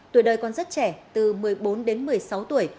tuổi đời còn rất trẻ từ một mươi bốn đến một mươi sáu tuổi